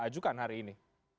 ajukan hari ini